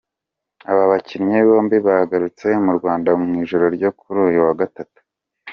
Aba bakinnyi bombi bagarutse mu Rwanda mu ijoro ryo kuri uyu wa Gatatu.